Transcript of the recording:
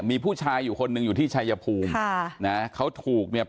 มีผู้ชายอยู่คนหนึ่งอยู่ที่ชายภูมิค่ะนะเขาถูกเนี่ย